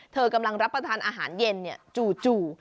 เธอกำลังรับประทานอาหารเย็นจู่